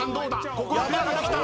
ここはペアができた。